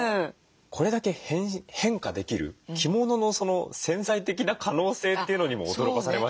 これだけ変化できる着物の潜在的な可能性というのにも驚かされましたね。